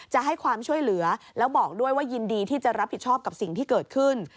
จะให้ความช่วยเหลือแล้วบอกด้วยว่ายินดีที่จะรับผิดชอบกับสิ่งที่เกิดขึ้น